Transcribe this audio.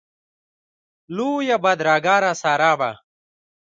لویه بدرګه راسره وه.